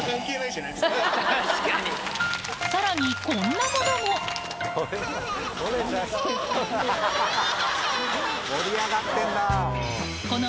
さらにこんなものも盛り上がってんな。